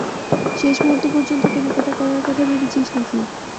শেষ মুহুর্ত পর্যন্ত কেনাকাটা করার কথা ভেবেছিস না কি?